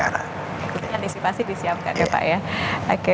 jadi antisipasi disiapkan ya pak ya